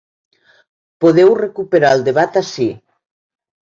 Podeu recuperar el debat ací.